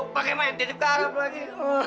pakai main titip karam lagi